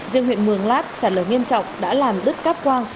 riêng huyện mường lát sạt lở nghiêm trọng đã làm đứt cáp quang